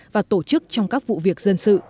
và tổ chức trong các vụ việc dân sự